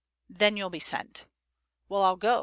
"Then you'll be sent." "Well, I'll go.